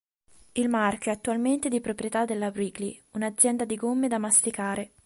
Il marchio è attualmente di proprietà della Wrigley, una azienda di gomme da masticare.